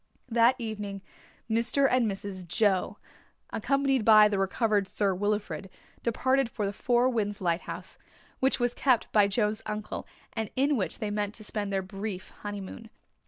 That evening Mr. and Mrs. Joe, accompanied by the recovered Sir Wilfrid, departed for the Four Winds Lighthouse, which was kept by Joe's uncle and in which they meant to spend their brief honeymoon.